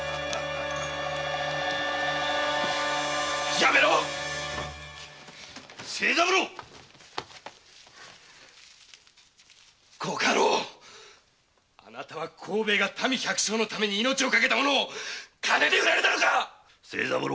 やめろ清三郎ご家老あなたは幸兵衛が民百姓のために命を賭けたものを金で売られたのか清三郎。